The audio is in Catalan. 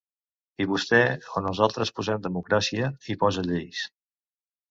I vostè, on els altres posem democràcia, hi posa lleis.